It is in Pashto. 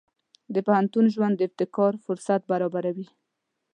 د پوهنتون ژوند د ابتکار فرصت برابروي.